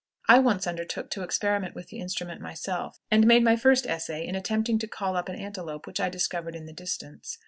I once undertook to experiment with the instrument myself, and made my first essay in attempting to call up an antelope which I discovered in the distance.